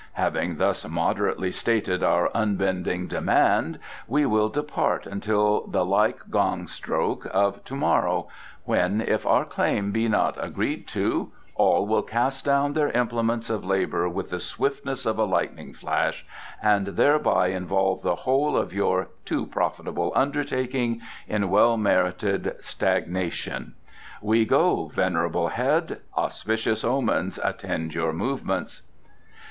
Having thus moderately stated our unbending demand, we will depart until the like gong stroke of to morrow, when, if our claim be not agreed to, all will cast down their implements of labour with the swiftness of a lightning flash and thereby involve the whole of your too profitable undertaking in well merited stagnation. We go, venerable head; auspicious omens attend your movements!"